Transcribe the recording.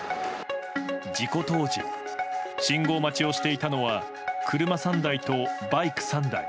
事故当時信号待ちをしていたのは車３台とバイク３台。